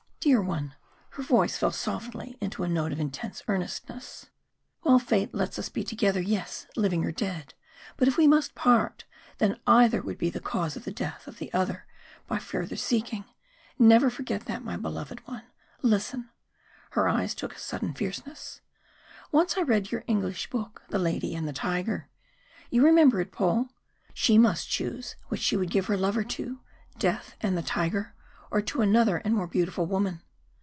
"Dear one" her voice fell softly into a note of intense earnestness "while fate lets us be together yes living or dead but if we must part, then either would be the cause of the death of the other by further seeking never forget that, my beloved one. Listen" her eyes took a sudden fierceness "once I read your English book, 'The Lady and the Tiger.' You remember it, Paul? She must choose which she would give her lover to death and the tiger, or to another and more beautiful woman.